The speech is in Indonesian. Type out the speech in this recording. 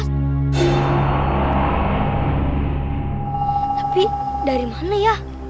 tapi dari mana ya